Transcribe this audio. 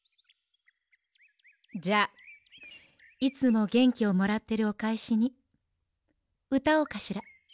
じゃあいつもげんきをもらってるおかえしにうたおうかしら。